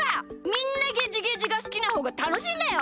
みんなゲジゲジがすきなほうがたのしいんだよ！